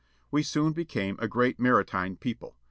We soon became a great maritime people.